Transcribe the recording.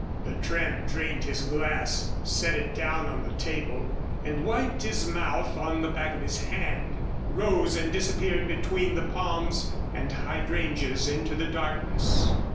The tramp drained his glass set it down on the table and wiped his mouth on the back of his hand rose and disappeared between the palms and hydrangeas into the darkness.